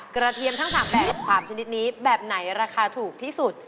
เทียมทั้ง๓แบบ๓ชนิดนี้แบบไหนราคาถูกที่สุด